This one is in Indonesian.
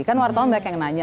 kan wartawan banyak yang nanya